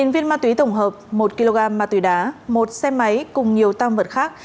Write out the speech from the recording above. một viên ma túy tổng hợp một kg ma túy đá một xe máy cùng nhiều tăng vật khác